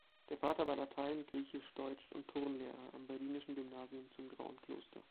Der Vater war Latein-, Griechisch-, Deutsch- und Turnlehrer am Berlinischen Gymnasium zum Grauen Kloster.